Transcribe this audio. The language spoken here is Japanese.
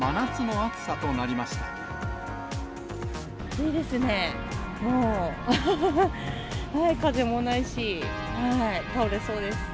暑いですね、もう、風もないし、倒れそうです。